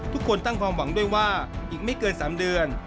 ทุกคนตั้งความหวังด้วยว่าอีกไม่เกิน๓เดือน